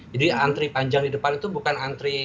jadi antri panjang di depan itu bukan antri